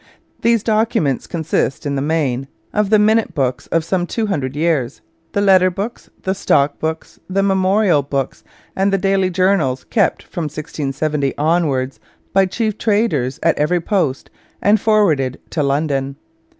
These documents consist in the main of the Minute Books of some two hundred years, the Letter Books, the Stock Books, the Memorial Books, and the Daily Journals kept from 1670 onwards by chief traders at every post and forwarded to London.